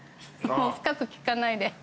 深く聞かないで。